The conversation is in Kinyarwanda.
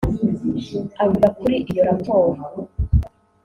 Avuga kuri iyo raporo